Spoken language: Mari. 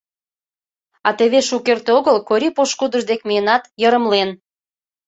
А теве шукерте огыл Корий пошкудыж дек миенат, йырымлен: